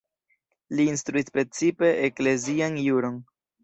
Li instruis precipe eklezian juron.